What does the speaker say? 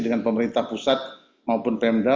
dengan pemerintah pusat maupun pemda